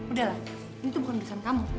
udah lah ini tuh bukan pesan kamu